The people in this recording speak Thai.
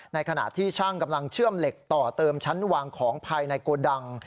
ในขณะที่ช่างกำลังเชื่อมเหล็กต่อเติมชั้นวางของภายในโกดัง